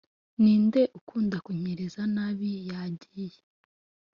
ninde ukunda kunyereza nabi yagiye